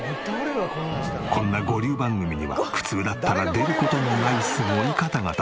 こんな五流番組には普通だったら出る事のないすごい方々。